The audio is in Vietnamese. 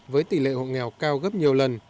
với tỷ lệ hộ nghèo cao gấp nhiều lần